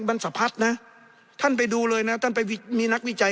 บรรสะพัดนะท่านไปดูเลยนะท่านไปมีนักวิจัย